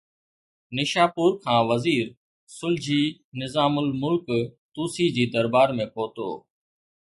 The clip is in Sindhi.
نيشاپور کان وزير سلجهي نظام الملڪ طوسي جي درٻار ۾ پهتو.